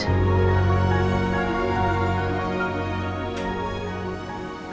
selalu kok mas